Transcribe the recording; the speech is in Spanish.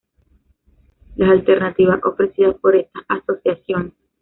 Las alternativas ofrecidas por estas asociaciones